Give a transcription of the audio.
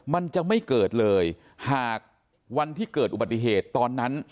มันจะไม่เกิดเลยหากวันที่เกิดอุบัติเหตุตอนนั้น